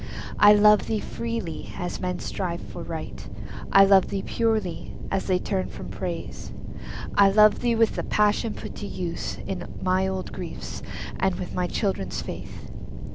I love thee freely, as men strive for Right; I love thee purely, as they turn from Praise. I love thee with the passion put to use In my old griefs, and with my childhood's faith.